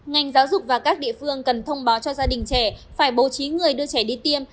ngành giáo dục và các địa phương cần thông báo cho gia đình trẻ phải bố trí người đưa trẻ đi tiêm